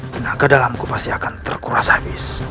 tenaga dalamku pasti akan terkuras habis